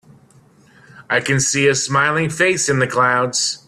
I can see a smiling face in the clouds.